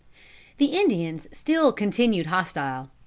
The Indians still continued hostile.